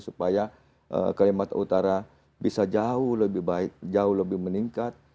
supaya kalimantan utara bisa jauh lebih baik jauh lebih meningkat